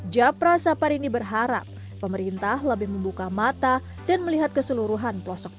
jepra sapar ini berharap pemerintah lebih membuka mata dan melihat keseluruhan pelosok desa